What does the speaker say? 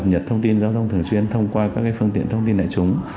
cập nhật thông tin giao thông thường xuyên thông qua các phương tiện thông tin đại chúng